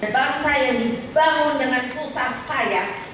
bangsa yang dibangun dengan susah payah